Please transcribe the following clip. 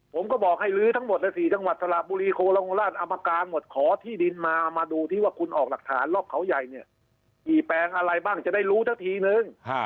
ผมก็บอกให้ลื้อทั้งหมดใน๔จังหวัดสระบุรีโคราชอมการหมดขอที่ดินมามาดูที่ว่าคุณออกหลักฐานล็อกเขาใหญ่เนี่ยกี่แปลงอะไรบ้างจะได้รู้สักทีนึง